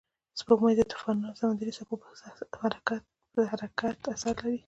سپوږمۍ د طوفانونو او سمندري څپو پر حرکت اثر لري